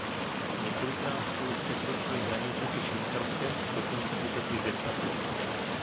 Několikrát spolu překročili hranice se Švýcarskem a dokonce utekli gestapu.